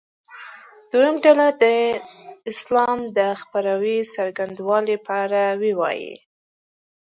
دویمه ډله دې د اسلام د خپراوي څرنګوالي په اړه ووایي.